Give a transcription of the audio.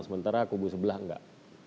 sementara kubu sebelah enggak